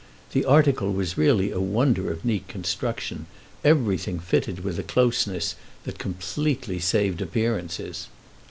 The article was really a wonder of neat construction; everything fitted with a closeness that completely saved appearances.